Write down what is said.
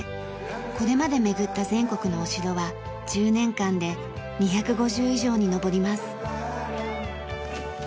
これまで巡った全国のお城は１０年間で２５０以上にのぼります。